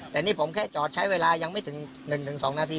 แต่นี่ผมแค่จอดใช้เวลายังไม่ถึง๑๒นาที